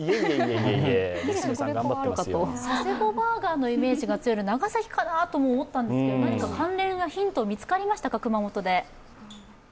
佐世保バーガーのイメージが強いので、長崎かなと思ったんですが、何か関連やヒント、熊本で見つかりましたか？